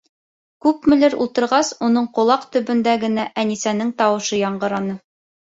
Күпмелер ултырғас, уның ҡолаҡ төбөндә генә Әнисәнең тауышы яңғыраны.